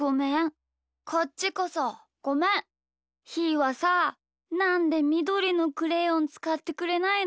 はさなんでみどりのクレヨンつかってくれないの？